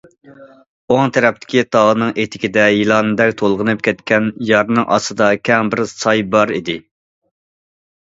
ئوڭ تەرەپتىكى تاغنىڭ ئېتىكىدە يىلاندەك تولغىنىپ كەتكەن يارنىڭ ئاستىدا كەڭ بىر ساي بار ئىدى.